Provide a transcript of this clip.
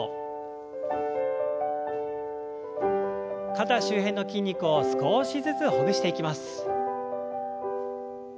肩周辺の筋肉を少しずつほぐしていきます。